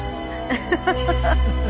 フフフフ。